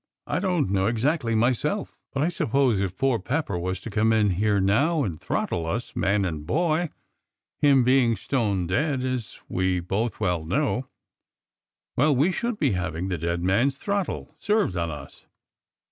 I don't know exactly myself, but I suppose if poor Pepper was to come in here now and throttle us, man and boy — him being stone dead, as we both well know — well, we should be having the *dead man's throttle' served on us!"